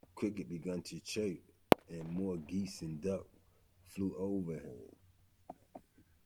Crickets began to chirp, and more geese and ducks flew overhead.